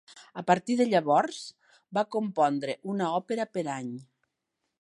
A partir de llavors, va compondre una òpera per any.